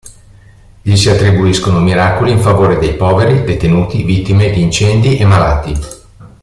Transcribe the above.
Gli si attribuiscono miracoli in favore dei poveri, detenuti, vittime di incendi e malati.